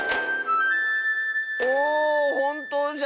おおほんとうじゃ！